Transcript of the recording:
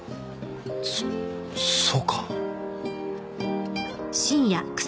そっそうか。